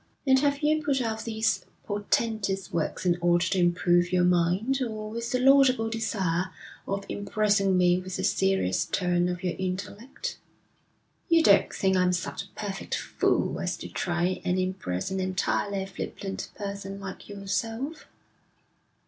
'And have you put out these portentous works in order to improve your mind, or with the laudable desire of impressing me with the serious turn of your intellect?' 'You don't think I'm such a perfect fool as to try and impress an entirely flippant person like yourself?'